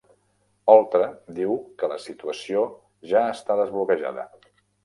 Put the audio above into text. Oltra diu que la situació ja està desbloquejada